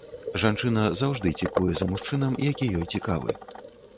Жанчына заўжды цікуе за мужчынам, які ёй цікавы.